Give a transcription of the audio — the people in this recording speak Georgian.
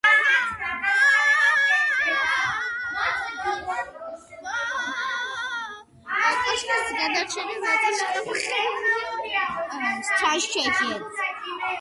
კოშკის გადარჩენილ ნაწილში გამოყენებულია ბუნებრივად სწორკუთხა, დაუმუშავებელი ქვა.